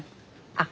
あっ。